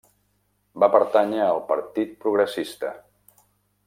Va pertànyer al Partit Progressista.